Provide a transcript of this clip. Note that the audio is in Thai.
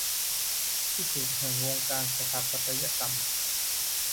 ที่สุดแห่งวงการสถาปัตยกรรม